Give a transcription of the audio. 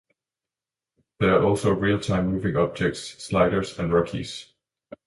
There are also real time moving objects - sliders and rockies.